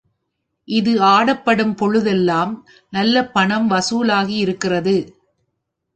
இது ஆடப்படும் பொழுதெல்லாம் நல்ல பணம் வசூலாகியிருக்கிறது.